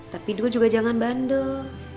tapi dulu juga jangan bandel